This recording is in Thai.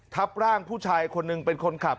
ทับร่างผู้ชายคนหนึ่งเป็นคนขับ